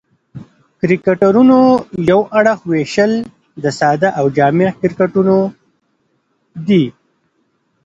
د کرکټرونو یو اړخ وېشل د ساده او جامع کرکټرونه دي.